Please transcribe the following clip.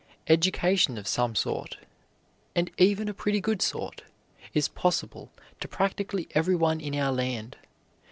Education of some sort, and even a pretty good sort, is possible to practically everyone in our land.